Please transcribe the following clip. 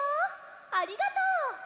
ありがとう！